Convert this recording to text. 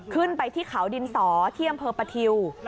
ขึ้นไปที่เขาดินสอเที่ยงเผอร์ปะทิว